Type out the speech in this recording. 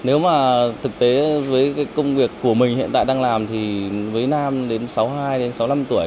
nếu mà thực tế với công việc của mình hiện tại đang làm thì với nam đến sáu mươi hai sáu mươi năm tuổi